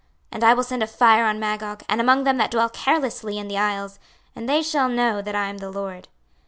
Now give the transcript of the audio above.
26:039:006 And I will send a fire on Magog, and among them that dwell carelessly in the isles: and they shall know that I am the LORD.